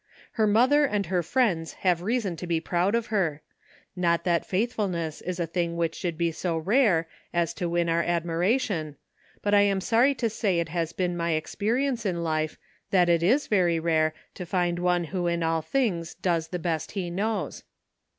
Her mother and her friends have reason to be proud of her. Not that faithfulness is a thing which should be so rare as to win our ad miration, but I am sorry to say it has been my experience in life that it is very rare to find one who in all things does the best he knows.